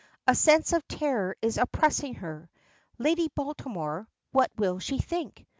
A sense of terror is oppressing her. Lady Baltimore, what will she think?